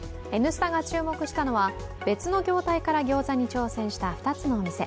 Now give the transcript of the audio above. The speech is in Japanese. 「Ｎスタ」が注目したのは別の業態から餃子に挑戦した２つのお店。